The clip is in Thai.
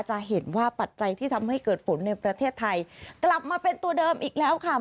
จะเห็นว่าปัจจัยที่ทำให้เกิดฝนในประเทศไทยกลับมาเป็นตัวเดิมอีกแล้วค่ะ